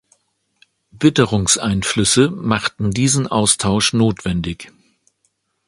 Witterungseinflüsse machten diesen Austausch notwendig.